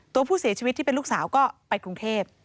ตัวผู้เสียชีวิตที่เป็นลูกสาวก็ไปกรุงเทพ